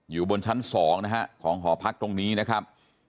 อยู่บนชั้น๒นะฮะของหอพักตรงนี้นะครับ